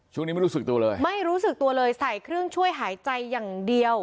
ไม่รู้สึกตัวเลยไม่รู้สึกตัวเลยใส่เครื่องช่วยหายใจอย่างเดียว